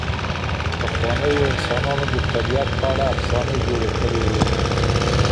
پخوانیو انسانانو د طبیعت په اړه افسانې جوړې کړې وې.